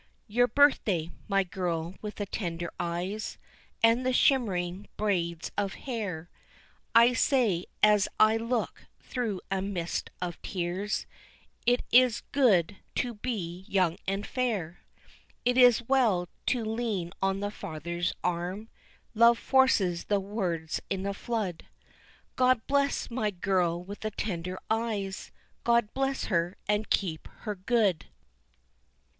Your birthday, my girl with the tender eyes And the shimmering braids of hair I say as I look through a mist of tears, It is good to be young and fair, It is well to lean on the Father's arm, Love forces the words in a flood: _God bless my girl with the tender eyes! God bless her and keep her good!